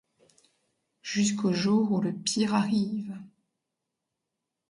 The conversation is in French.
Jusqu'au jour où le pire arrive...